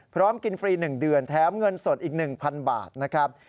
พร้อมกินฟรี๑เดือนแถมเงินสดอีก๑๐๐บาทนะครับ